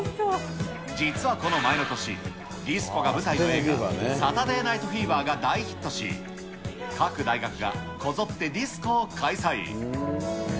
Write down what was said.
実はこの前の年、ディスコが舞台の映画、サタデー・ナイト・フィーバーが大ヒットし、各大学がこぞってディスコを開催。